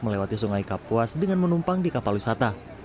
melewati sungai kapuas dengan menumpang di kapal wisata